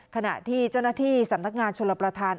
ขณะที่เจ้าหน้าที่สำนักงานชลประธาน